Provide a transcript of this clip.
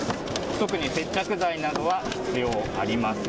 特に接着剤などは必要ありません。